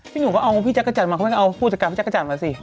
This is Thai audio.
พี่หนูก็เอาพี่แจ๊กกระจัดมาเขาไปเอาผู้จัดการพี่แจ๊กกระจัดมาสิ